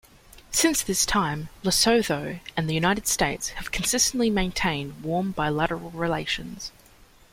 Since this time, Lesotho and the United States have consistently maintained warm bilateral relations.